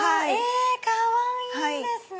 かわいいですね！